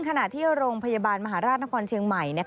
ขณะที่โรงพยาบาลมหาราชนครเชียงใหม่